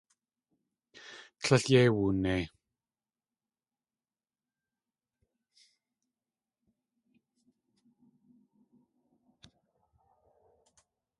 Tlél yéi wunei.